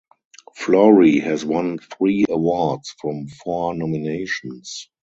Flori has won three awards from four nominations.